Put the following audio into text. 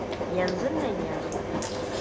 Yanzunnan ya zo.